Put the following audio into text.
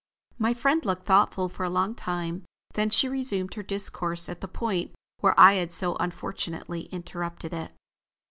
My friend looked thoughtful for a long time, then she resumed her discourse at the point where I had so unfortunately interrupted it.